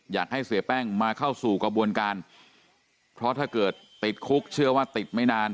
อยากให้เสียแป้งมาเข้าสู่กระบวนการเพราะถ้าเกิดติดคุกเชื่อว่าติดไม่นาน